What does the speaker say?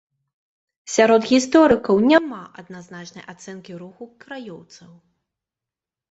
Сярод гісторыкаў няма адназначнай ацэнкі руху краёўцаў.